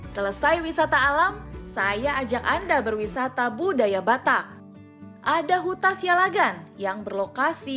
selesai wisata alam saya ajak anda berwisata budaya batak ada huta sialagan yang berlokasi